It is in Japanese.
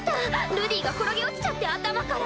ルディが転げ落ちちゃって頭から。